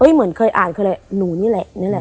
เหมือนเคยอ่านคืออะไรหนูนี่แหละ